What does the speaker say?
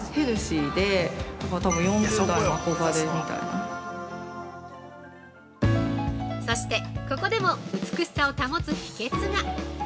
◆そして、ここでも美しさを保つ秘訣が！